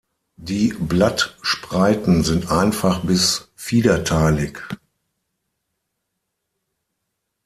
Die Blattspreiten sind einfach bis fiederteilig.